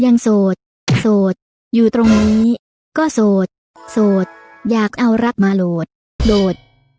โสดโสดอยู่ตรงนี้ก็โสดโสดอยากเอารักมาโหลดโหลด